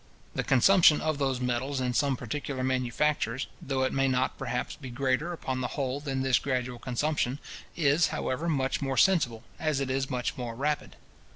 The consumption of those metals in some particular manufactures, though it may not perhaps be greater upon the whole than this gradual consumption, is, however, much more sensible, as it is much more rapid.